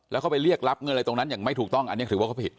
แล้วเขาไปเรียกรับเงินอะไรตรงนั้นอย่างไม่ถูกต้องอันนี้ถือว่าเขาผิด